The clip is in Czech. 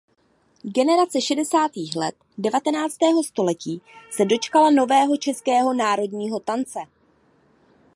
Generace šedesátých let devatenáctého století se dočkala nového českého národního tance.